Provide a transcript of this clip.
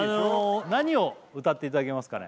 何を歌っていただけますかね